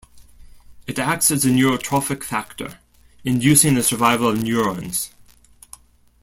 It acts as a neurotrophic factor, inducing the survival of neurons.